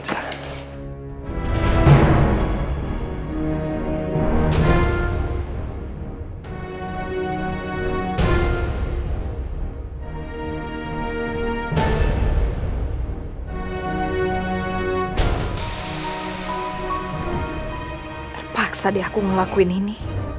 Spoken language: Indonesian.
terpaksa dia aku ngelakuin ini